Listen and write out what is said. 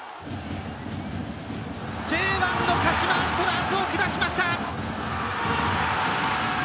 Ｊ１の鹿島アントラーズを下しました！